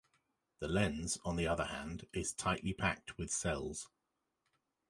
The lens, on the other hand, is tightly packed with cells.